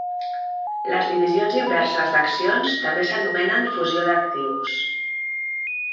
Les divisions inverses d'accions també s'anomenen fusió d'actius.